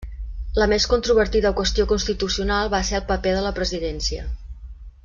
La més controvertida qüestió constitucional va ser el paper de la presidència.